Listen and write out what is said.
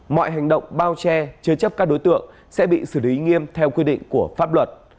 mọi hành động bao che chứa chấp các đối tượng sẽ bị xử lý nghiêm theo quy định của pháp luật